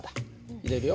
入れるよ。